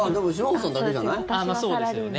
そうなんですよね。